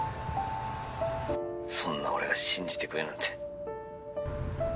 ☎そんな俺が信じてくれなんて